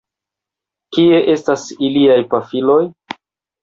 Kie estas iliaj pafiloj?